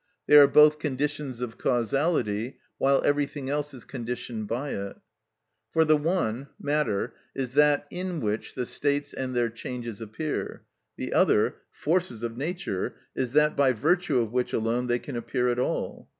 They are both conditions of causality, while everything else is conditioned by it. For the one (matter) is that in which the states and their changes appear; the other (forces of nature) is that by virtue of which alone they can appear at all.